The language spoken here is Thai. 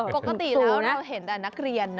โปรกษีแล้วเราให้เห็นแต่นักเรียนน่ะ